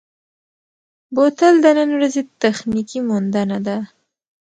بوتل د نن ورځې تخنیکي موندنه ده.